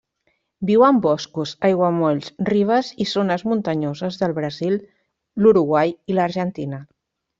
Viu en boscos, aiguamolls, ribes i zones muntanyoses del Brasil, l'Uruguai i l'Argentina.